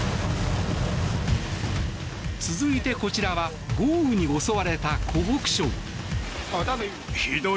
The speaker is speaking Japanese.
続いてこちらは豪雨に襲われた湖北省。